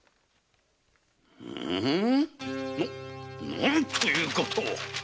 何ということを！